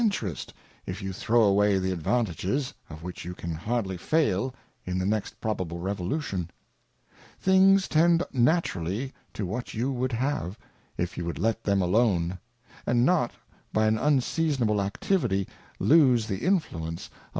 ^— 1/ Interest, if you throw away the Advantages, of which you caji, '''.'^ hardly fail ' in the next probable Revoiution._ Things tend naturally t o, what you would' have, if you" would let them alone, and not by an unseasonable Activity lose the Influences of your 140 A Letter to a Dissenter.